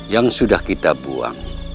yang sudah kita buang